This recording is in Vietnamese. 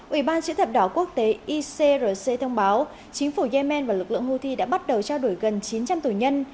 ủy ban chữ thập đỏ quốc tế icrc thông báo chính phủ yemen và lực lượng houthi đã bắt đầu trao đổi gần chín trăm linh tù nhân